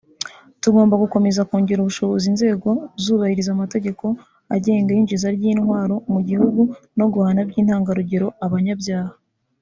tugomba gukomeza kongerera ubushobozi inzego zubahiriza amategeko agenga iyinjizwa ry’intwaro mu gihugu no guhana by’intangarugero abanyabyaha”